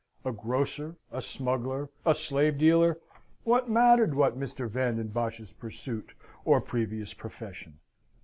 A grocer, a smuggler, a slave dealer, what mattered Mr. Van den Bosch's pursuit or previous profession?